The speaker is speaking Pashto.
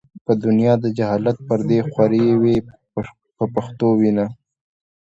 په دنیا د جهالت پردې خورې وې په پښتو وینا.